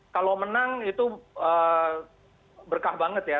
kalau menang itu berkah banget ya